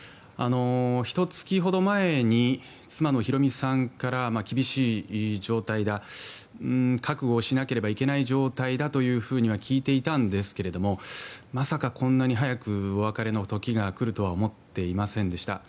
ひと月ほど前に、奥さんから厳しい状態だ、覚悟をしなければいけない状態だと聞いていたんですけれどもまさかこんなに早くお別れの時が来るとは思っていませんでした。